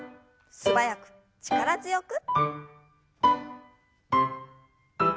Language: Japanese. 素早く力強く。